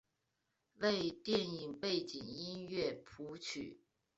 为电影背景音乐谱曲。